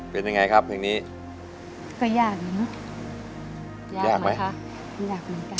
เป็นยังไงครับเพลงนี้ก็ยากเนอะยากยากไหมคะอยากเหมือนกัน